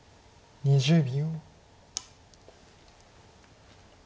２０秒。